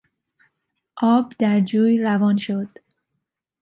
آب در جوی روان شد.